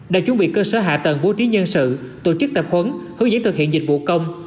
đã chuẩn bị cơ sở hạ tầng bố trí nhân sự tổ chức tập huấn hướng dẫn thực hiện dịch vụ công